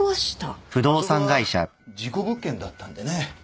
あそこは事故物件だったんでね。